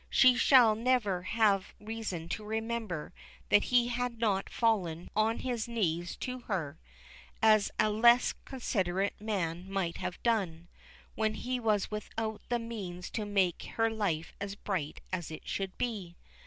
She shall never have reason to remember that he had not fallen on his knees to her as a less considerate man might have done when he was without the means to make her life as bright as it should be.